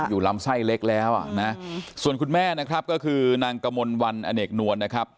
อยู่ลำไส้เล็กแล้วอ่ะนะส่วนคุณแม่นะครับก็คือนางกมลวันอเนกนวลนะครับ